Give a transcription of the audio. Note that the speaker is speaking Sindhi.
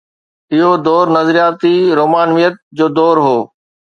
اهو دور نظرياتي رومانويت جو دور هو.